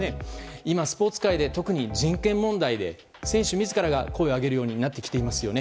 今スポーツ界で、特に人権問題で選手自ら声を上げるようになってきていますよね。